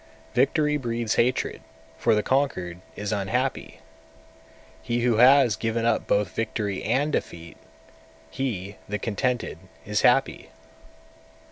201. Victory breeds hatred, for the conquered is unhappy. He who has given up both victory and defeat, he, the contented, is happy.